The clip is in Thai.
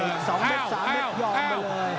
๒เด็ก๓เด็กยอมเลย